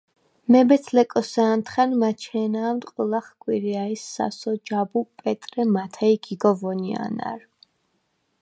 მებეც-ლეკოსა̄ნდხენ მაჩენა̄მდ ყჷლახ კვირიაჲს სასო, ჯაბუ, პეტრე, მათე ი გიგო ვონია̄ნარ.